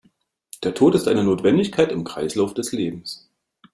Der Tod ist eine Notwendigkeit im Kreislauf des Lebens.